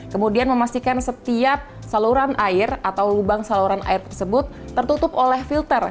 kemudian memastikan setiap saluran air atau lubang saluran air tersebut tertutup oleh filter